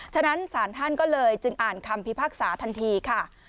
ฉะนั้นศาลท่านก็เลยจึงอ่านคำพิพากษาทันทีค่ะ